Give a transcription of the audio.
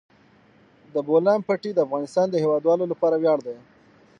د بولان پټي د افغانستان د هیوادوالو لپاره ویاړ دی.